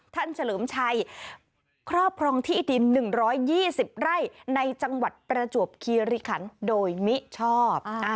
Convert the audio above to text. เฉลิมชัยครอบครองที่ดิน๑๒๐ไร่ในจังหวัดประจวบคีริขันโดยมิชอบ